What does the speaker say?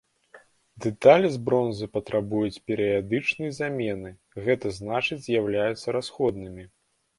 Дэталі з бронзы патрабуюць перыядычнай замены, гэта значыць з'яўляюцца расходнымі.